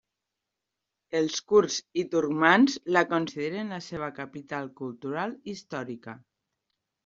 Els kurds i turcmans la consideren la seva capital cultural històrica.